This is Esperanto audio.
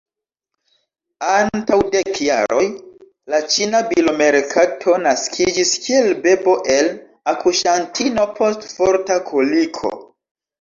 Antaŭ dek jaroj la ĉina bilomerkato naskiĝis kiel bebo el akuŝantino post forta koliko.